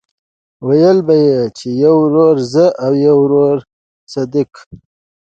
ويل به يې چې يو ورور زه او يو ورور صدک.